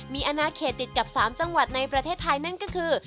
มีอนาเขตติดกับ๓จังหวัดในประเทศไทยนั่นก็คือ